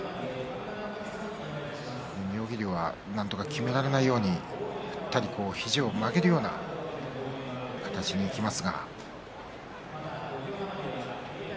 妙義龍、なんとかきめられないように振ったり肘を曲げような形にいきました。